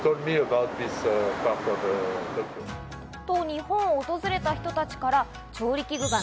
日本を訪れた人たちから調理器具が